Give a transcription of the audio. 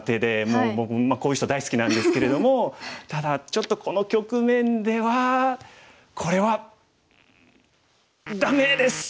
もう僕こういう人大好きなんですけれどもただちょっとこの局面ではこれはダメです！